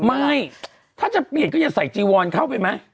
ไม่ถ้าจะเปลี่ยนก็อย่าใส่จีวอนเข้าไปไหม